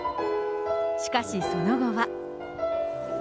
しかしその後は。